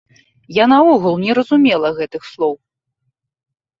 Я наогул не разумела гэтых слоў.